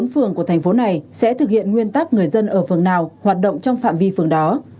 bốn phường của thành phố này sẽ thực hiện nguyên tắc người dân ở phường nào hoạt động trong phạm vi phường đó